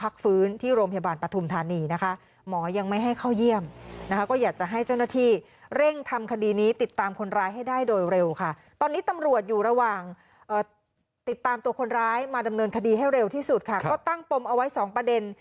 แค่เร็วที่สุดค่ะก็ตั้งปมเอาไว้๒ประเด็น